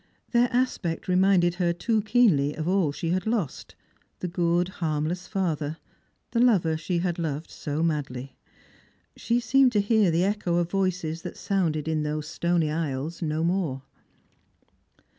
Their aspect reminded her too keenly of all she had lost — the good harmless father —■ the lover she had loved so madly. She seemed to hear the echo of voices that sounded in those stony aisles no more.